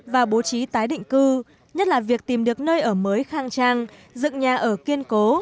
và bố trí tái định cư nhất là việc tìm được nơi ở mới khang trang dựng nhà ở kiên cố